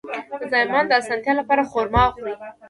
د زایمان د اسانتیا لپاره خرما وخورئ